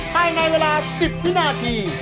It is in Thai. ภายในเวลา๑๐วินาที